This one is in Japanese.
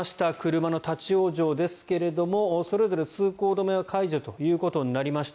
車の立ち往生ですがそれぞれ通行止めは解除となりました。